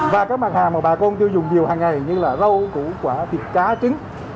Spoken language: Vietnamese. và các mặt hàng mà bà con tiêu dùng nhiều hàng ngày như là rau củ quả thịt cá trứng